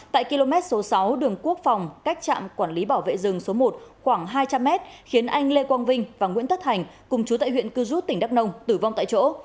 tại km số sáu đường quốc phòng cách trạm quản lý bảo vệ rừng số một khoảng hai trăm linh m khiến anh lê quang vinh và nguyễn tất thành cùng chú tại huyện cư rút tỉnh đắk nông tử vong tại chỗ